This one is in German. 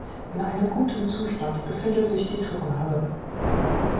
In einem guten Zustand befindet sich die Turnhalle.